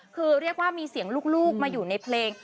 คือเรียกว่ามีเสียงลูกมาอยู่ในเพลง